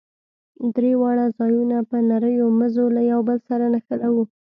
درې واړه ځايونه په نريو مزو له يو بل سره نښلوو.